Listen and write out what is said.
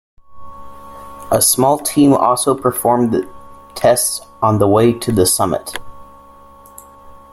A small team also performed tests on the way to the summit.